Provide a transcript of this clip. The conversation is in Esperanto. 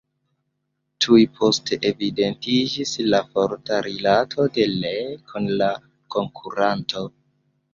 Tuj poste evidentiĝis la forta rilato de Lee kun la konkuranto.